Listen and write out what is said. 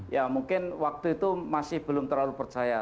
ya mungkin waktu itu masih belum terlalu percaya